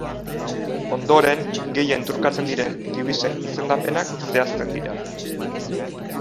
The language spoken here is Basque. Ondoren, gehien trukatzen diren dibisen izendapenak zehazten dira.